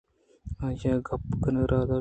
آ ئی ءَ کبگ ءَ را درکُت